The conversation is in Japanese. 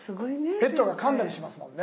ペットがかんだりしますもんね。